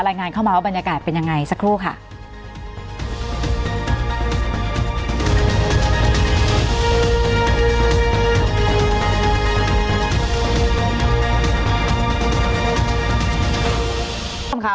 รายงานเข้ามาว่าบรรยากาศเป็นยังไงสักครู่ค่ะ